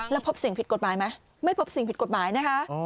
แล้วพบสิ่งผิดกฎหมายไหมไม่พบสิ่งผิดกฎหมายนะคะ